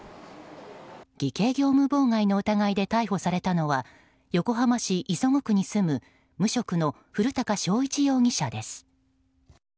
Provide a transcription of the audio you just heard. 偽計業務妨害の疑いで逮捕されたのは横浜市磯子区に住む無職の古高正一容疑者です。